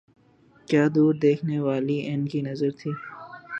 کیا دور دیکھنے والی ان کی نظر تھی۔